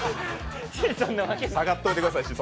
下がっておいてください。